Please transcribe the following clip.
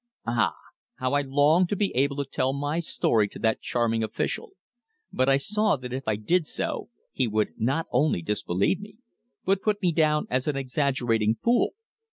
Ah! How I longed to be able to tell my story to that charming official. But I saw that if I did so he would not only disbelieve me, but put me down as an exaggerating fool.